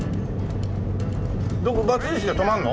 どこバツ印で止まるの？